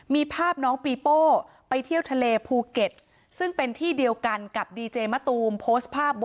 มีภาพน้องปีโป้ไปเที่ยวทะเลภูเก็ตซึ่งเป็นที่เดียวกันกับดีเจมะตูมโพสต์ภาพ